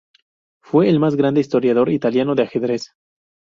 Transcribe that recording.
Fue el más grande historiador italiano de ajedrez.